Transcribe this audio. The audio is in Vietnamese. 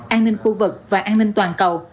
an ninh khu vực và an ninh toàn cầu